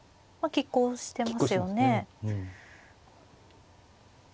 きっ抗してますね。